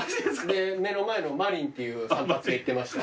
で目の前のマリーンっていう散髪屋行ってました。